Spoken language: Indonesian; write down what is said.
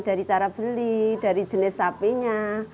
dari cara beli dari jenis sapinya